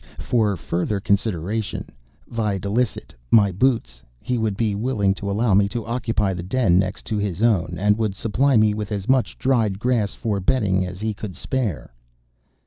For a further consideration videlicet my boots he would be willing to allow me to occupy the den next to his own, and would supply me with as much dried grass for bedding as he could spare.